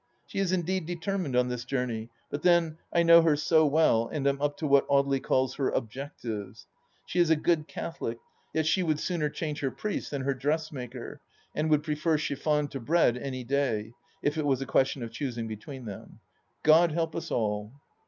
She is indeed determined on this journey ; but then, I know her so well and am up to what Audely calls her " objectives." She is a good Catholic, yet she would sooner change her priest than her dressmaker, and would prefer chiffon to bread any day, if it was a ques tion of choosing between them, God help us all